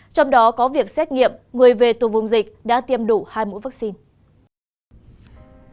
trong đó có việc xét nghiệm người về từ vùng dịch đã tiêm đủ hai mũi vaccine